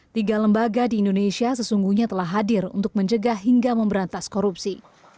tiga lembaga di indonesia sesungguhnya telah hadir untuk mencegah hingga memberantas korupsi